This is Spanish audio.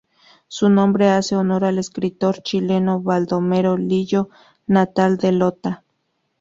Su nombre hace honor al escritor chileno Baldomero Lillo, natal de Lota.